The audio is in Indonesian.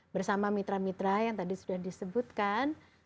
bersama mitra mitra yang tadi sudah disebutkan